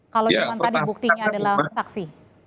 kalau cuma tadi buktinya adalah saksi